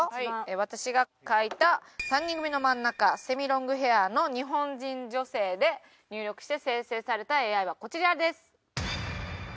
私が書いた「３人組の真ん中セミロングヘアーの日本人女性」で入力して生成されたＡＩはこちらです。